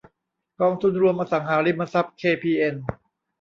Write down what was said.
กองทุนรวมอสังหาริมทรัพย์เคพีเอ็น